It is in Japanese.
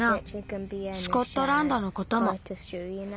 スコットランドのことも。